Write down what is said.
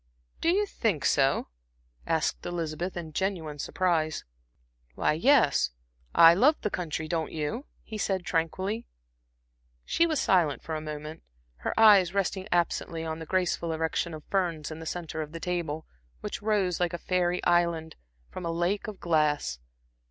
"Do you think so?" asked Elizabeth, in genuine surprise. "Why, yes, I love the country; don't you," he said tranquilly. She was silent for a moment, her eyes resting absently on the graceful erection of ferns in the centre of the table, which rose, like a fairy island, from a lake of glass.